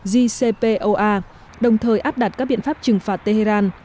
jcpoa đồng thời áp đặt các biện pháp trừng phạt tehran